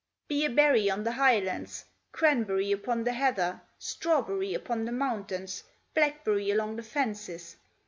Be a berry on the highlands, Cranberry upon the heather, Strawberry upon the mountains, Blackberry along the fences?